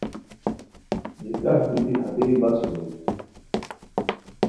نکاح بیتی ہتئے بس ہوئے